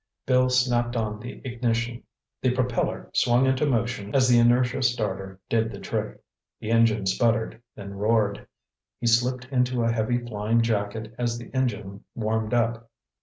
Bill snapped on the ignition. The propeller swung into motion as the inertia starter did the trick. The engine sputtered, then roared. He slipped into a heavy flying jacket as the engine warmed up.